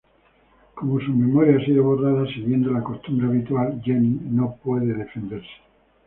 Como su memoria ha sido borrada siguiendo la costumbre habitual, Jennings no puede defenderse.